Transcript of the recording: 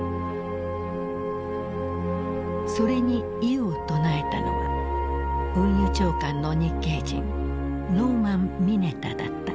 それに異を唱えたのは運輸長官の日系人ノーマン・ミネタだった。